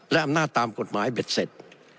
และอำนาจตามกฎหมายเบ็ดเสร็จ